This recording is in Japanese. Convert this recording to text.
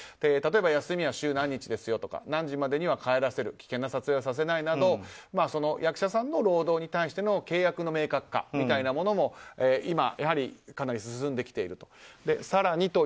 例えば休みは週何日何時までには帰らせる危険な撮影はさせないなど役者さんの労働に対しての契約の明確化みたいなものもかなり進んできている。